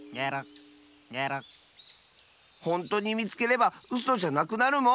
ほんとにみつければうそじゃなくなるもん！